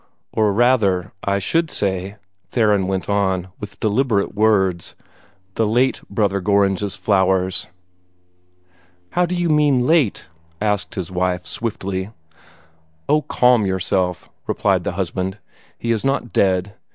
"Or rather, I should say," Theron went on, with deliberate words, "the late Brother Gorringe's flowers." "How do you mean LATE" asked his wife, swiftly. "Oh, calm yourself!" replied the husband. "He is not dead.